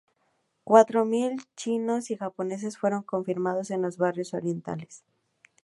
Cuatro mil chinos y japoneses fueron confinados en los barrios orientales.